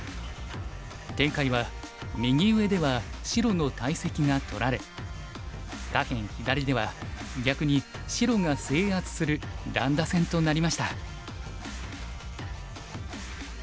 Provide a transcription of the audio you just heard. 展開は右上では白の大石が取られ下辺左では逆に白が制圧する乱打戦となりました。